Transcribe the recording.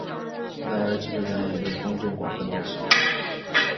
然而其基本原理已被公众广泛得知。